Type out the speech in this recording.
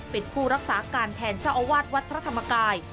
เป็นผู้รักษาการแทนเจ้าอาวาสวัดพระธรรมกาย